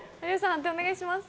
判定お願いします。